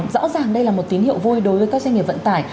rõ ràng đây là một tín hiệu vui đối với các doanh nghiệp vận tải